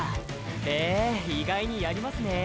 へえ意外にやりますね。